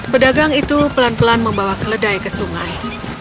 pedagang itu pelan pelan membawa keledai ke sungai